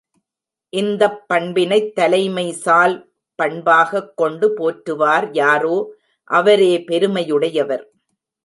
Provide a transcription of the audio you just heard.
இந்தப் பண்பினைத் தலைமை சால் பண்பாகக் கொண்டு போற்றுவார் யாரோ அவரே பெருமையுடையவர்.